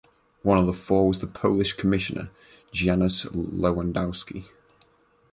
One of the four was the Polish Commissioner Janusz Lewandowski.